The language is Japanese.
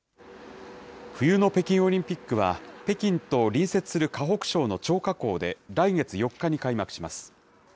冬の北京オリンピックは、北京と隣接する河北省の張家口で来月４日に開幕します。